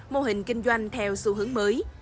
mô hình kinh doanh theo xu hướng mới